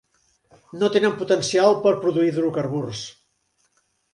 No tenen potencial per produir hidrocarburs.